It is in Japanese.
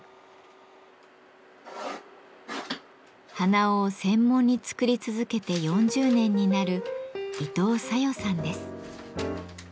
鼻緒を専門に作り続けて４０年になる伊藤小夜さんです。